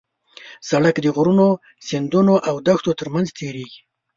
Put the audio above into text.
سړک د غرونو، سیندونو او دښتو ترمنځ تېرېږي.